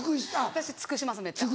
私尽くしますめっちゃ。